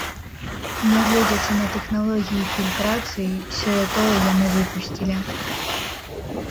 Нягледзячы на тэхналогіі фільтрацыі, сёе-тое яны выпусцілі.